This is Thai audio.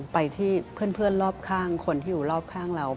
ไปที่เพื่อนรอบข้างคนที่อยู่รอบข้างเรา